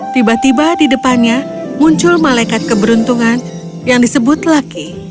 tiba tiba di depannya muncul malekat keberuntungan yang disebut lucky